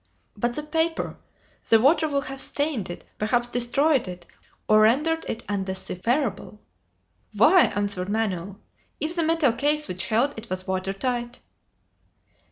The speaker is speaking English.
"But the paper! The water will have stained it, perhaps destroyed it, or rendered it undecipherable!" "Why," answered Manoel, "if the metal case which held it was water tight?"